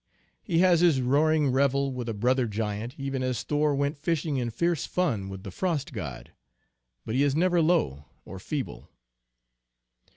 He has his roaring revel with a brother giant, even as Thor went fishing in fierce fun with the frost god, but he is never low or feeble.